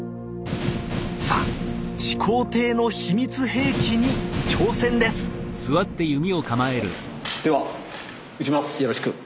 さあ始皇帝の秘密兵器に挑戦ですよろしく。